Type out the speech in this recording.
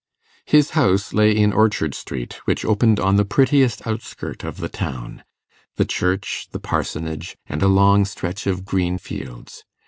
His house lay in Orchard Street, which opened on the prettiest outskirt of the town the church, the parsonage, and a long stretch of green fields.